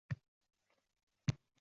Agar tutib olishsa, qamab qoʻyishadi.